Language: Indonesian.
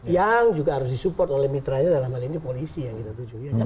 yang juga harus disupport oleh mitranya dalam hal ini polisi yang kita tuju